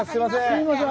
すいません。